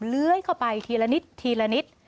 เลื้อยเข้าไปทีละนิดทีละนิด